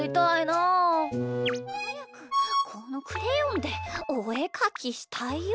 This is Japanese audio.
はやくこのクレヨンでおえかきしたいよ。